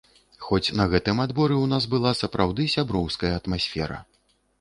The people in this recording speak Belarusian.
Хоць на гэтым адборы ў нас была сапраўды сяброўская атмасфера.